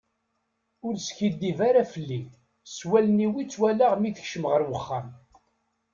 Ur skiddib ara felli, s wallen-iw i t-walaɣ mi yekcem ɣer uxxam.